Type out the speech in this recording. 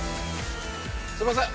すいません。